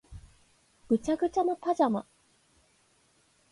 ぐちゃぐちゃなパジャマ